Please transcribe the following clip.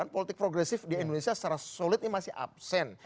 politik progresif di indonesia secara solid ini masih absen